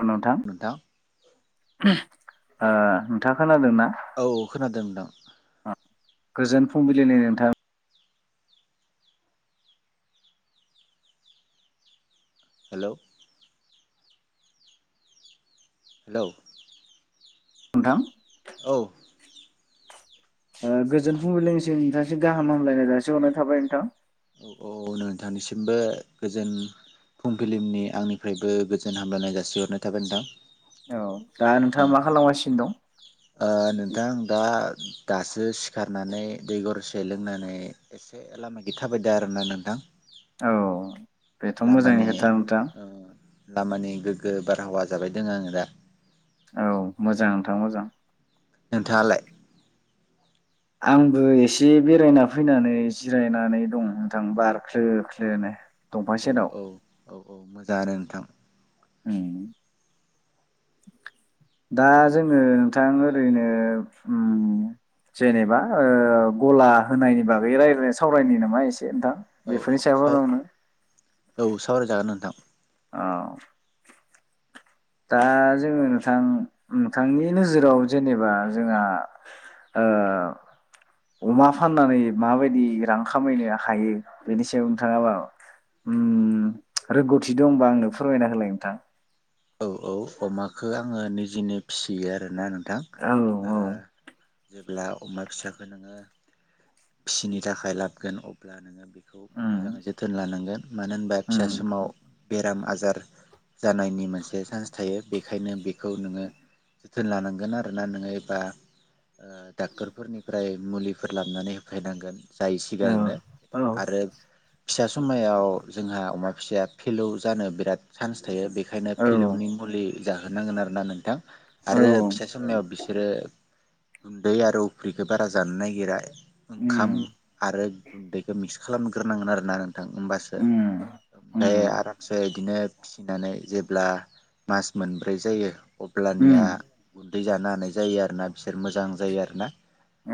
उ नोंथां ओ [inaudible] औ खोनादों नों थां गोजोन फुंबिलिनि नोंथां हेल' हेल' नोंथां औ ओ गोजोन फुंबिलिनिसिम नोंथांनिसिम गाहाम हामग्लायनाय जासिहरग्रोनाय थाबाय नोंथां औ नोंथांनि सिनबो फुंबिलिनि आंनिफ्राय बो गोजोन हामग्लायनायखौ जासिहरग्रोनाय थाबाय नोंथां दा औ नोंथाङा मा खालामगासिनो दं ओ नोंथां दा दासो सिखारनानै दै गरदसे लोंनानै इसे लामाथिं थाबायदों आरोना नोंथां औ बेथ' मोजांनि लामानि खोथा नोंथां ओ लामानि गोगो बारहावा जाबाय दोङो आङो दा औ मोजां नोंथां मोजां नोंथाङालाय आंबो इसे बेरायना फैनानै जिरायनानै दं नोंथां बार खोलो खोलोनो दंफां औ सेराव औ औ औ मोजां आनो थां [inaudible] उम दा जोङो नोंथां ओरैनो उम जेनेबा ओ गला होनायनि बागै रायाय सावरायनो नामा एसे [inaudible] औ बेफोरनि आं साव‌ सायावनो सावराय जागोन नोंथां अ दा जोङो नोंथां नोंथांनि नोजोराव जेनेबा जोंहा ओअमा फाननानै माबायदि रां खामायनो हायो बेनि सायाव नोंथाङाबा ओ रोंगौथि दंबा आंनो फोरमायना होलाय नोंथां [inaudible] औ औ अमाखौ आङो निजेनो फिसियो आरो नों थां औ ओ औ जेब्ला अमा फिसाखौ नोङो फिसिनो थाखाय लाबगोन अब्ला नोङो बे [inaudible] खौ उम मोजाङै जोथोन लानांगोन मानो होनबा फिसा उम समाव बेराम आजार आजार जानायनि मोनसे [inaudible] से सान्स थायो बेखायनो बिखौ नोङो जोथोन लानांगोन आरोना नोङो एबा ओ दाक्टरफोरनिफ्राय मुलिफोर लाबोनानै होफैनांगोन जायो सिगांनो औ आरो फिसा समायाव जोंहा फिसाया फिलौ जानो बिरात सान्स थायो बेखा औ फिलौनि मुलि जाहोनांगोन आरो ना नोंथां औ आरो फिसा समनायाव बिसोरो गुन्दै आरो अफ्रिखौ बारा जानो नागिरा ओंखाम उम आरो गुन्दैखौ मिस खालामग्रोनांगोन आरोना थां होमबासो उम ओमफ्राय उम आरामसे बिदिनो फिसिनानै जेब ब्ला मास मोनब्रै जायो उम अब्लानिया दै जानो हानाय जायो आरो ना बिसोर मोजां जायो आरो ना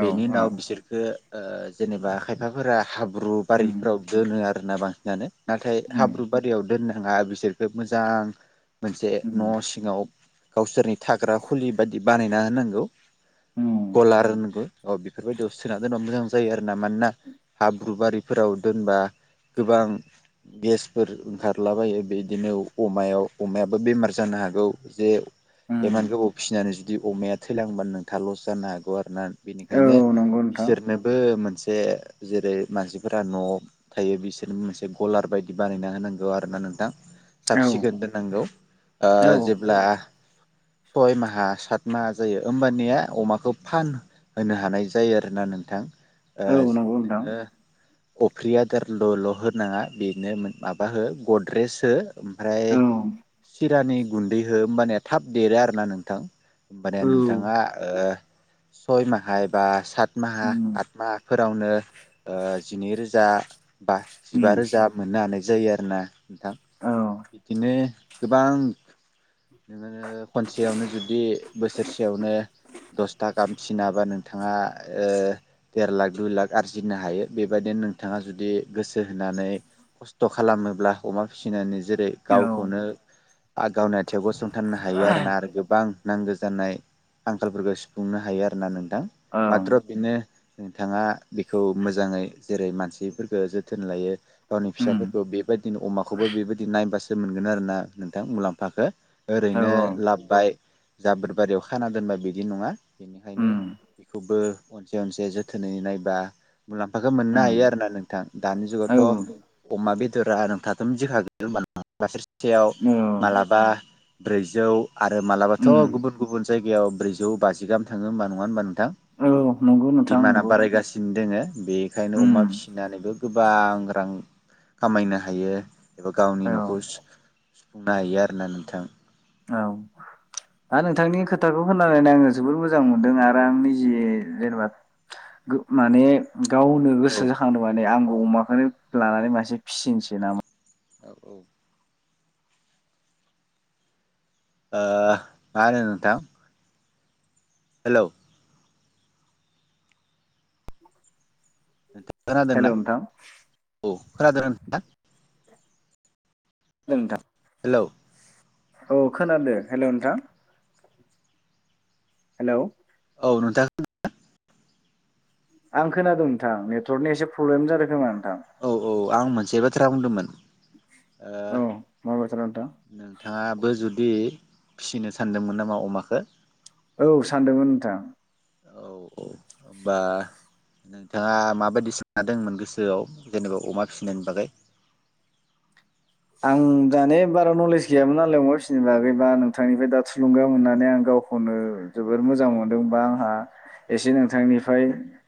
औ बेनि औ उनाव बिसोरखो ओ जेनेबा खायफाफोरा हाब र्रु उम बारिफोराव दोनो आरो फोरना बांसिनानो नाथाय उम हाब्रुुबारियाव दोननाय हा बिसोरखो मोजां मोनसे न' उम सिङाव गावसोरनि थाग्रा खुलि बायदि बानायना होनांगौ उम गलारोनबो अ बेफोरबायदियाव सोना दोनब मोजां जायो आरोना मानोना हाब्रुुबारिफोराव दोनबा गोबां गेसफोर ओंखारलाबायो बेदिनो अमायाव अमायाबो बेमार जानो हागौ जे इमान उम गोबाव फिसिनानै जुदि अमाया थैलांबानो नों थाना लस जानो हागौ आरो बेनिखायनो औ नंगौ नोंथां बिसोरनोबो मोनसे एसे जेरै मानसिफोरा न'आव थायो बिसोर मोनसे गलार बायदि बानायना होनांगौ आरो ना नोंथां साब औ सिगोन दो नांगौ औ ओ जेब्ला सय माहा सात माहा जायो होमबानिया अमाखौ फानहो हानाय जायो आरोना नोंथां ओ औ नंगौ नोंथां नोङो अफ्रि आदारल'ल' होनाङा बेनो माबा हो गद्रेज हो ओमफ्राय औ सिरानि गुन्दै हो होमबान थाब देरो आरोना नोंथां होमबानो औ नोंथाङा ओ सय माहाय बा सात माहा उम आत माह फोरावनो ओ जिनैरोजा बा जिबा उम रोजा मोननो हानाय जायो आरोना नोंथां औ बिदिनो गोबां नोङो खनसेयावनो जुदि बोसोरसेयावनो दसथा गाहाम फिसिनो हाबा नोंथाङा देर लाख दुइ लाख आरजिनो हायो बेबायदिनो नोंथाङा जुदि गोसो होनानै खस्थ' खालामोब्ला अमा फिसिनानै जेरै औ गावखौनो गावनि आथिंआव गसंथानो हायो आरोना आरो गोबां आं नांगौ जानाय आंखालफोरखौ सुफुंनो हायो आरोना नों दा माथ्र बेनो नोंथाङा बेखौ मोजाङै जेरै मानसिफोरफोरखो जोथोन लायो गावनि उम फिसाफोरखौ बेबायदिनो अमाखौबो बेबायदि नायबासो मोनगोन आरो ना नोंथां मुलाम्फाखो औ ओरैनो लाबोबाय जाबोरबारियाव खाना दोनबा बिदि नङा बेनिखायनो उम बेखौबो अनसे अनसे जोथोनै नायबा मुलाम्फाखौ मोननो हायो उम आरोना नोंथां दानि औ जुगावथ' अमा बेद [unintelligible] ओम साबा ब्रैजौ आरो मालाबाथ' उम गुबुन गुबुन जायग जायाव ब्रैजौ बाजि गाहाम थाङो होमबा नङा होमबा नोंथां औ नंगौ नोंथां दिमाना नंगौ बारायगासिनो दोङो बेखायनो अमा उम फिसिनानैबो गोबां रां खामायनो हायो एबा गावनि औ न'खर सुफुंनो हयो आरोना नोंथां औ आं नोंथांनि खोथाखौ खोननानै आङो जोबोद मोजां मोनदों आरो आं निजे जेनेबा माने गावनो औ औ गोसो जाखांदों माने आं अमाखौनो लानानै मासे फिसिनोसै नामा औ औ ओ मा होनो नोंथां? हेलौ नोंथाङा हेल' खोनादोंना नोंथां औ खोनादों नोंथाङा? नोंथां हेलौ औ खोनादो हेलौ‌ नोंथां हेलौ औ नोंथाङा [unintelligible] आं खोनादों नोंथां नेटवर्कनि एसे प्रब्लेम जादों खोमा [unintelligible] औ औ आं मोनसे बाथ्रा बुंदोंमोन ओ औ मा बाथ्रा नोंथां नोंथाङाबो जु बि फिसिनो सानदोंमोन नामा अमाखो? औ सानदोंमोन नोंथां। औ औ होनबा नोंथाङा माबायदि सा दोंमोन गोसोआव जेनेबा अमा फिनायनि बागै? आं दानि बारा नलेज गैयामोन नालाय अमा फिसिनि बागै बा नोंथांनिफ्राय दा थुलुंगा मोननानै आं गावखौनो जोबोर मोजां मोनदों बा आंहा एसे नोंथांनिफ्राय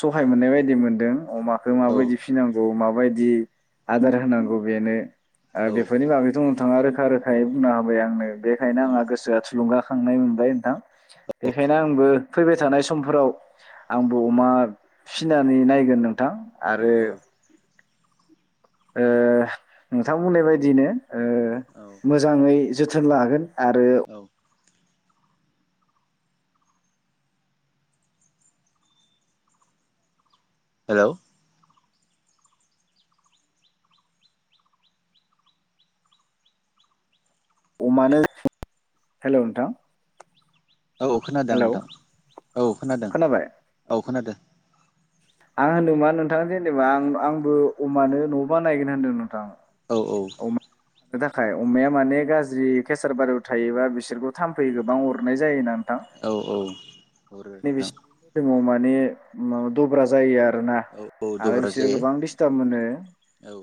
सहाय मोननाय बायदि मोनदों अमा बेखौ औ माबायदि फिनांगौ औ माबायदि आदार होनांगौ बेनो औ बेफोरनि बागैथ' नोंथाङा रोखा रोखायै बुंना होबाय आंनो बेखायनो औ आंहा गोसोआ थुलुंगाखांनाय मोनबाय नोंथां बेखायनो आंबो फैबाय थानाय समफोराव आंबो अमा फिनानै नायगोन नोंथां आरो औ ओ नोंथां बुंनाय बायदियैनो ओ औ मोजाङै जोथोन लागोन आरो औ हेलौ अमानो हेलौ नोंथां औ खोनादों हेलौ नोंथां औ खोनादों खोनाबाय औ खोनादों। आं होनदों मा नोंथां जेनेबा आं आंबो अमानो न' बानायगोन होनदों नोंथां। औ औ [unintelligible] थाखाय अमाया माने गाज्रि केसार बारियाव थायोबा बिसोरखौ थाम्फै गोबां अरनाय जायो ना नोंथां। औ औ हरो [unintelligible] नोंथां बिसोरनि मोदोमाव माने मा दब्रा जायो आरोना औ औ आरो दब्रा बिसोरो जायो गोबां डिस्टार्ब मोनो औ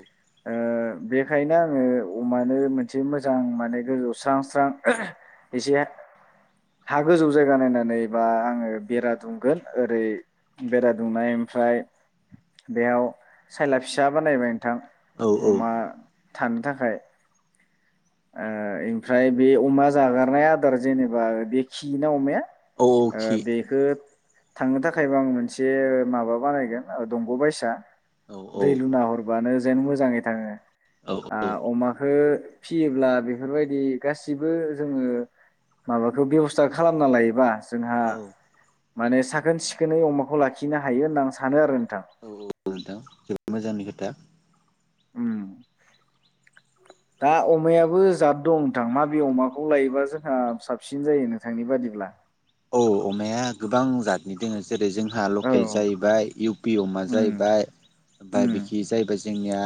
ओ बनिखायनो आङो अमानो मोनसे मोजां माने गोजौ स्रां स्रां एसे हा गोजौ जायगा नायनानै बा आङो बेरा दुमगोन ओरै बेरा दुमनाय ओमफ्राय बेयाव सायला फिसा बानायबाय नोंथां औ औ अमा थानो थाखाय ओ ओमफ्राय बे अमा जागारनाय आदार जेनेबा बे खियोना अमाया औ ओ खि बेखो थांनो थाखायबो आं मोनसे माबा बानायगोन दंग' बायसा औ औ दै लुना हरबानो जेन मोजाङै थाङो औ आ अमाखो फियोब्ला बेफोरबायदि गासिबो जोङो माबाखो बेबस्थाखो खालामना लायोबा जोंहा औ माने साखोन सिखोनै अमाखौ लाखिनो हायो होनना आं सानो आरो। नोंथां औ-औ नोंथां जोबोद मोजांनि खोथा। उम दा अमायाबो जाद दं नोंथां माबे अमाखौ लायोबा जोंहा साबसिन जायो, नोंथांनि बादिब्ला औ अमाया गोबां जादनि दोङो। जेरै जोंहा औ लकेल जाहैबाय इउ पि अमा उम जाहैबाय ओमफाय उम बिखि जाहैबाय जोंनिया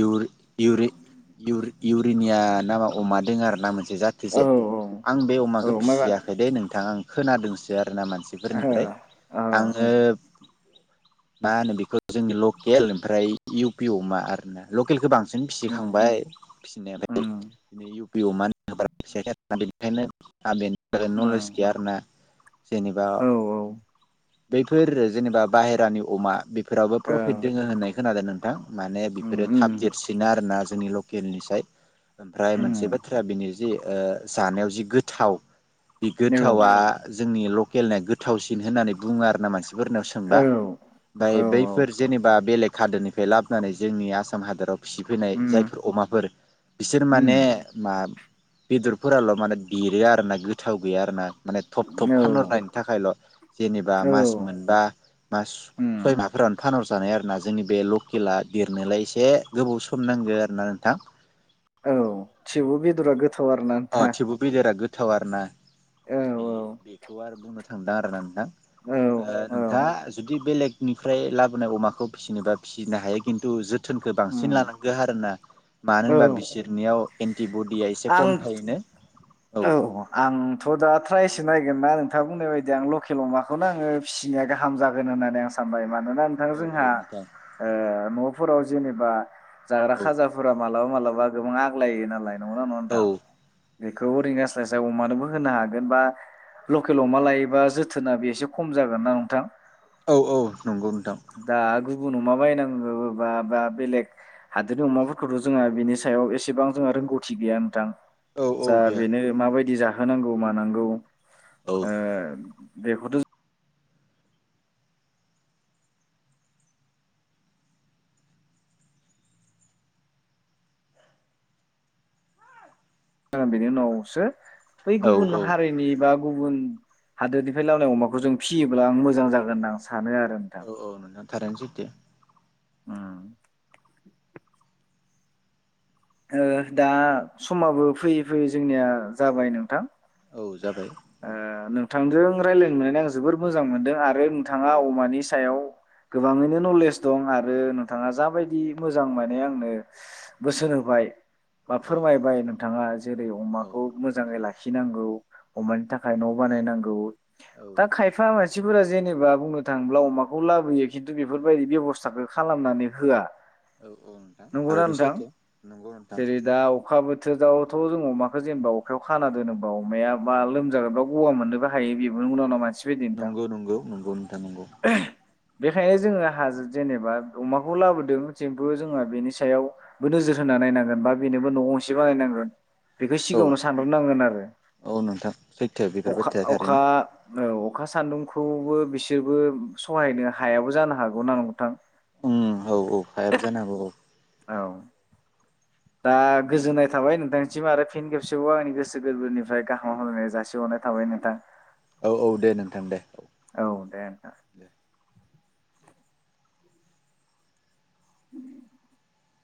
इउरि-इउरे-इउरि-इउरिनिया नामा अमा दोङो आरोना मोनसे औ जाथोसे आं बे औ अमाखौ माबा फिसियाखै दे नों आं खोनादोंसो आ ना ओ मानसिफोरनिफ्राय औ आङो मा होनो बेखो जोंनि लकेल ओमफ्राय इउ पि अमा आरोना लकेलखो बां जों उम फिसिखांबाय फिसिनायालाय उम नै इउ पि अमा [inaudible] बेखायनो आ बेनि बागै नलेज उम यारना जेनेबा औ बैफोर जेनेबा बाहेरानि अमा बेफ फोरावबो औ प्रफिट दोङो होननाय खोनादो नों माने उम बेफोरो थाब उम देरसिन आरो ना? जोंनि लकेलनिसाय ओमफ्राय मोनसे उम बाथ्रा बिनि जि ओ जानायाव जि गोथाव उम औ थावा जोंनि लकेलनिया गोथावसिन होननानै बुङो आर ना मानसि फोरनाव औ सोंबा औ ओमफाय बैफोर जेनेबा बेलेग खादोनिफ्राय लाबनानै जोंनि आसाम हादोराव फिसिफैनाय उम जायफोर अमाफोर बिसोर उम माने मा बेदरफोराल' माने देरो आरो ना गोथाव गैया आरोन माने थब थब औ फानहरनायनि थाखायल' जेनेबा मास औ मोनबा मास सय उम माहाफोराव फानहर जानाय आरोना जोंनि बे लकेला देरनोलाय एसे गोबाव सम नांगो आरोना नोंथां? औ थिवबो बेदरा गोथाव आरोना। अ नोंथां थिबु बेदे रा गोथाव आरोना। औ बे औ बेखौ आरो बुंनो थांदां आरो नोंथां। औ औ नोंथांङा जुदि बेलेग निफ्राय लाबोनाय अमाखौ फिसिनोबा फिसिनो हायो खिन्थु जोथो जोथोनखौ बांसिन उम लानांगो आरोना मानो होनबा औ बिसोरनियाव टि बडिया एसे आं खम औ थायोनो औ आंथ' दा ट्रायसो नायगोन ना खोथा बुंनाय बायदि आं लकेल अमाखौनो आंङो फिसिनाय गाहाम जागोन होननानै आं सानबाय मा मानोना नोंथां औ औ जोंहा नोंथां न'आव फोराव जेनेबा जाग्रा औ खाजाफोरा मालाबा मालाबा बाजार आवनो गोबां आग्लायो नालाय नंगौ ना नंङा औ नोंथां बेखौ ओरैनो आस लासाय अमानोबो होनो हागोन बा लकेल अमा लायोबा जोथोना बे एसे खम जागोन ना नोंथां औ औ नंगौ नोंथां दा गुबुन अमा बायनांगौबा बा बेलेग हादोरनि अमाफोरखौथ' जोंहा बिनि सायाव एसेबां जोंहा रोंगौथि गैया नोंथां औ औ जा गैया बेनो माबायदि जा थानांगौ मानांगौ औ [unintelligible] बेखौथ' जागोन बेनि उनावसो बै औ गुबुन औ हारिनि बा गुबुन हादोरनिफ्राय ललामनाय अमाखौ जों फियोब्ला आं मोजां जागोन होनना आं सानो आरो नोंथां थारनो सैथो [unintelligible] ओ दा समाबो फैयै फैयै जोंनिया जाबाय नोंथां औ जादों ओ नोंथांजों रायलायनो मोननानै आं जोबोर मोजां मोनदों आरो आरो नोंथाङा औ अमानि सायाव गोबांङैनो नलेज दं आरो नोंथाङा जाबायदि मोजां माने आंनो बोसोन होबाय मा फोरमायबाय नों थाङा जेरै अमाखौ मोजांङै लाखि लाखिनांगौ अमानि थाखाय न' बानायनांगौ औ दा खायफा [unintelligible] मानसिफोरा जेनेबा बुंनो थाङोब्ला अमाखौ लाबोयो खिन्थु बेफोरबायदि बेब'स्थाखौ खालामनानै होआ औ - औ नोंथां नंगौना आरो नोंथां? सैथो नंगौ नोंथां जेरै दा [unintelligible] जों अमाखौ जेनेबा अखायाव खाना दोनोबा अमाया मा लोमजागाबा गगा मोननोबो हायो बेबो बायदि नोंथां नंगौ -नंगौ -नंगौ नोंथां नंगौ बेखायनो जोङो हाजो जेनेबा अमाखौ लाबोदों जोंथ जोंहा बेनि सायावबो नोजोर होनानै नायनांगोन बा बेनोबो न' गंसे बानायनांगोन बेखौ औ सिगाङावनो सानग्रो नांगोन आरो औ नोंथां सैथो बेफोर अखा बाथ्राया थारैनो अखा औ अखा सान्दुंखौबो बिसोरबो सहायनो हायाबो जानो हागौ ना नोंथां उम औ -औ हायाबो जानो हागौ औ औ दा गोजोननाय थाबाय नोंथांसिम आरो फिन खेबसेयावबो आंनि गोसो गोरबोनिफ्राय गाहाम होलायनाय जासिहरनाय थाबाय नोंथां औ -औ दे नोंथां दे औ दे नोंथां दे [inaudible]